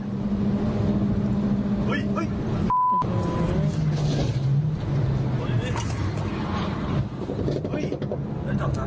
เฮ้ยเฮ้ย